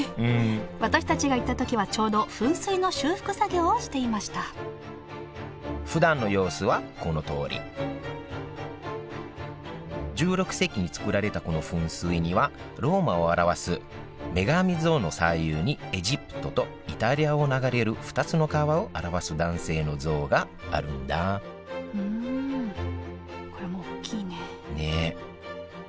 私たちが行ったときはちょうど噴水の修復作業をしていましたふだんの様子はこのとおり１６世紀に造られたこの噴水にはローマを表す女神像の左右にエジプトとイタリアを流れる２つの川を表す男性の像があるんだうんこれも大きいねねえ